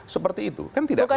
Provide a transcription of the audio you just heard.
seperti itu kan tidak bisa